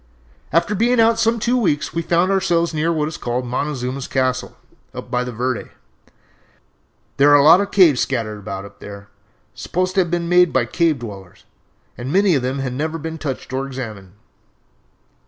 "After being out some two weeks we found ourselves near what is called 'Montezuma's Castle,' up by the Verde. There are a lot of caves scattered about up there, supposed to have been made by the Cave Dwellers, and many of them had never been touched or examined.